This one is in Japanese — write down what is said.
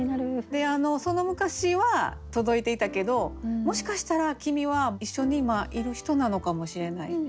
でその昔は届いていたけどもしかしたら君は一緒に今いる人なのかもしれない。